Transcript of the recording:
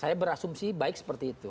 saya berasumsi baik seperti itu